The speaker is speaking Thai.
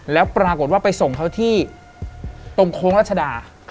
แล้วปรากฏว่าไปส่งเขาที่ตรงโค้งรัชดา